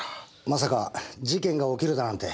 まさか事件が起きるだなんて。